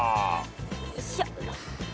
よいしょ。